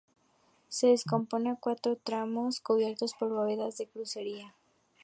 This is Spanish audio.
Se descompone en cuatro tramos cubiertos por bóvedas de crucería.